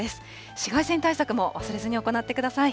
紫外線対策も忘れずに行ってください。